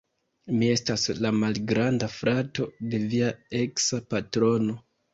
Mi estas la malgranda frato de via eksa patrono